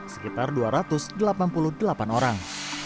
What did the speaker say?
sekitar dua ratus delapan puluh delapan orang